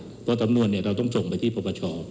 เพราะสำนวนเราต้องส่งไปที่ปปช